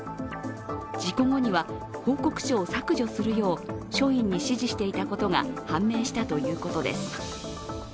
事故後には報告書を削除するよう署員に指示していたことが判明したということです。